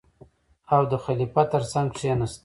او د خلیفه تر څنګ کېناست.